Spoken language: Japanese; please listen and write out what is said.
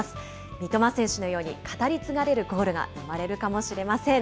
三笘選手のように、語り継がれるゴールが生まれるかもしれません。